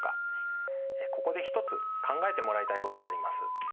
ここで一つ考えてもらいたいことがあります。